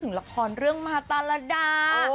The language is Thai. นึกถึงละครเรื่องมาตาลาดา